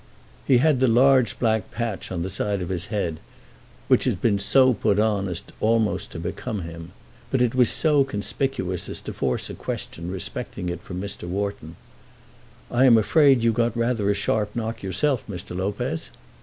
He had the large black patch on the side of his head, which had been so put on as almost to become him. But it was so conspicuous as to force a question respecting it from Mr. Wharton. "I am afraid you got rather a sharp knock yourself, Mr. Lopez?"